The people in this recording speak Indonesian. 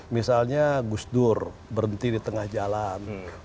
misalnya gus dur berhenti di tengah jalan